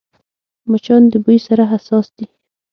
مچان د بوی سره حساس دي